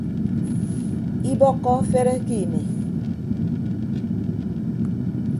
Ibọkkọ afere ke ini.